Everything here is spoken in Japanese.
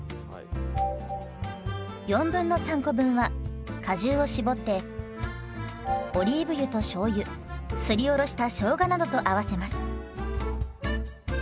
3/4コ分は果汁を搾ってオリーブ油としょうゆすりおろしたしょうがなどと合わせます。